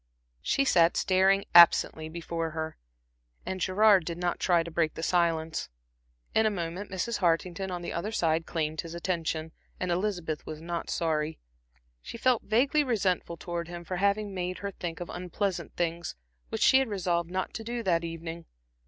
She sat staring absently before her, and Gerard did not try to break the silence. In a moment Mrs. Hartington on his other side claimed his attention, and Elizabeth was not sorry. She felt vaguely resentful towards him for having made her think of unpleasant things, which she had resolved not to do that evening.